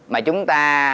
mà chúng ta